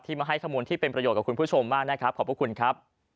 มาให้ข้อมูลที่เป็นประโยชน์กับคุณผู้ชมมากนะครับขอบพระคุณครับ